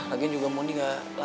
lagian juga mondi gak mau makan